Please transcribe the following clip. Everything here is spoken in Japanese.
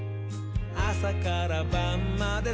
あさからばんまで」